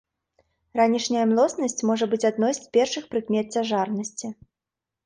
Ранішняя млоснасць можа быць адной з першых прыкмет цяжарнасці.